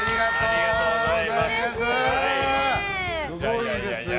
すごいですよ。